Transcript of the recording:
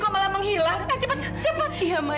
gagal sampai nanti juga dia